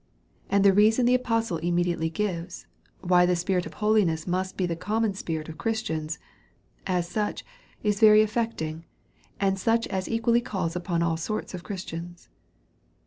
275 And the reason the apostle immediately gives, why the spirit of holiness must be the common spirit of Christians, as such, is very aifeeting , and such as equally calls upon all sorts of Christians.